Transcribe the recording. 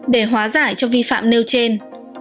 để hóa giải cho vi phạm nêu trên